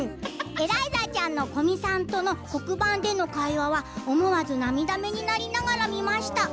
エライザちゃんの古見さんとの黒板での会話は思わず涙目になりながら見ました。